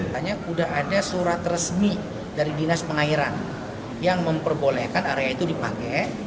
hanya sudah ada surat resmi dari dinas pengairan yang memperbolehkan area itu dipakai